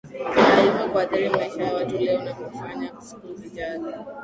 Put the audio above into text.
na hivyo kuathiri maisha ya watu leo na kufanya siku zijazo